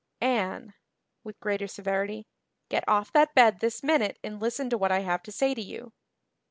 "Anne," with greater severity, "get off that bed this minute and listen to what I have to say to you."